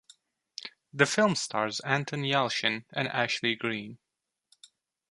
The film stars Anton Yelchin and Ashley Greene.